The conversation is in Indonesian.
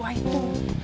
hah nenek itu kuat